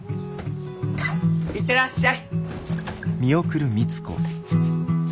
行ってらっしゃい。